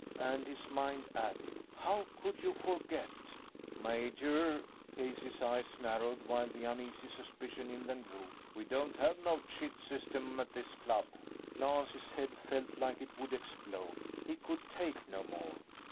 And his mind added: How could you forget? "Major." Casey's eyes narrowed, while the uneasy suspicion in them grew. "We don't have no chit system at this club." Lance's head felt like it would explode. He could take no more.